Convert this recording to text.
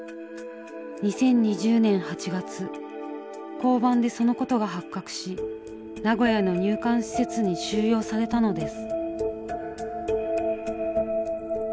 ２０２０年８月交番でそのことが発覚し名古屋の入管施設に収容されたのです。